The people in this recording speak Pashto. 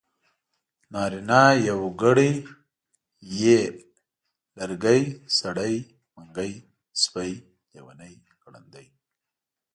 نارينه يوګړی ی لرګی سړی منګی سپی لېوانی ګړندی